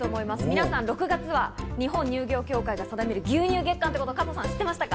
皆さん、６月は日本乳業協会が定める牛乳月間だって知ってました？